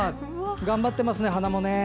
頑張ってますね、花も。